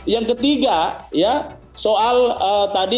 yang ketiga soal tadi